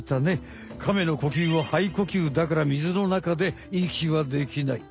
カメの呼吸は肺呼吸だからみずの中でいきはできない。